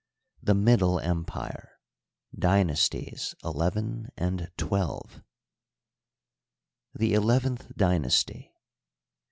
The Middle Empire, Dynasties XI and XI I, The Eleventh Dynasty.